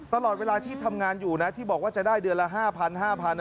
ตลอดเวลาที่ทำงานอยู่นะที่บอกว่าจะได้เดือนละ๕๐๐๕๐๐